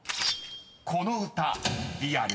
［この歌リアル？